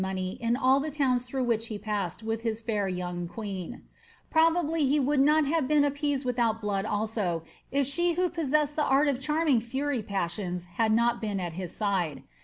XATHASINB HOWARD* 3Qt money in all the towns through which he passed with his fair young queen ;' probably he would not have been appeased without blood also^ if she who possessed the art of charming fury passions had not been at his aide.